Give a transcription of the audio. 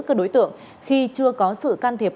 các đối tượng khi chưa có sự can thiệp